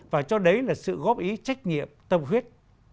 và cho đấy là sự góp ý trách nhiệm tâm huyết